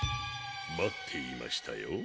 待っていましたよ。